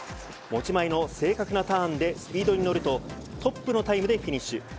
持ち前の正確なターンでスピードに乗ると、トップのタイムでフィニッシュ。